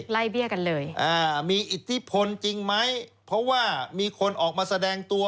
ไล่เบี้ยกันเลยอ่ามีอิทธิพลจริงไหมเพราะว่ามีคนออกมาแสดงตัว